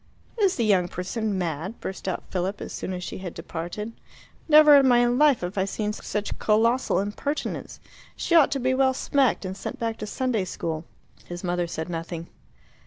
"Is the young person mad?" burst out Philip as soon as she had departed. "Never in my life have I seen such colossal impertinence. She ought to be well smacked, and sent back to Sunday school." His mother said nothing.